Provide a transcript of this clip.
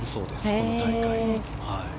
この大会。